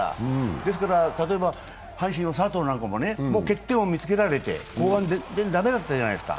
ですから例えば阪神の佐藤なんかも欠点を見つけられて後半全然駄目だったじゃないですか。